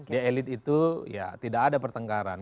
di elit itu ya tidak ada pertengkaran